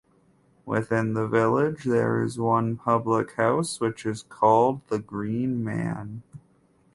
Within the village there is one public house which is called the Green Man.